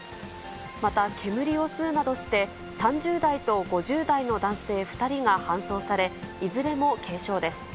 また煙を吸うなどして、３０代と５０代の男性２人が搬送され、いずれも軽傷です。